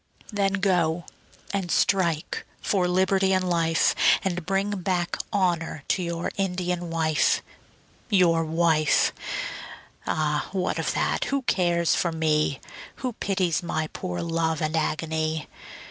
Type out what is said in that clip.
Then go and strike for liberty and life, And bring back honour to your Indian wife. Your wife? Ah, what of that, who cares for me? Who pities my poor love and agony?